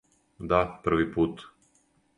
Да, први пут.